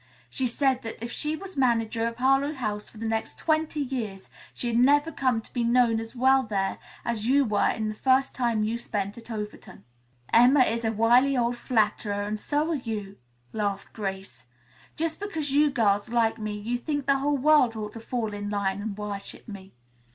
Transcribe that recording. She said that if she were manager of Harlowe House for the next twenty years she'd never come to be known as well there as you were in the time you spent at Overton." "Emma is a wily old flatterer and so are you," laughed Grace. "Just because you girls like me you think the whole world ought to fall in line and worship me."